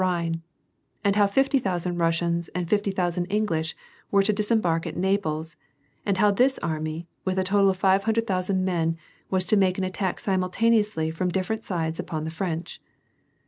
Rhine ; and how fifty thousand Russians and fifty thousand English were to disembark at Naples, and how this army, with a total of five hundred thousand men, was to make an attack simultaneously from different sides upon the French.